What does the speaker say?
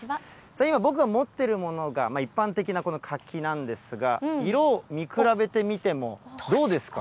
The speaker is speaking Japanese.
今、僕が持っているものが一般的な柿なんですが、色、見比べてみても、どうですか？